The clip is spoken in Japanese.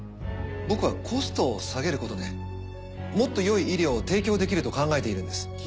僕はコストを下げることでもっとよい医療を提供できると考えているんです。